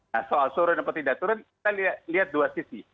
nah soal turun apa tidak turun kita lihat dua sisi